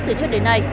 từ trước đến nay